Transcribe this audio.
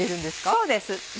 そうです